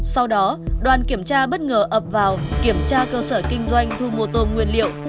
sau đó đoàn kiểm tra bất ngờ ập vào kiểm tra cơ sở kinh doanh thu mua tôm nguyên liệu